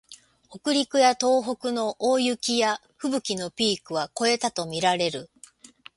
北陸や東北の大雪やふぶきのピークは越えたとみられる